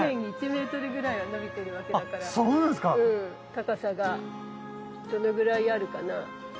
高さがどのぐらいあるかな？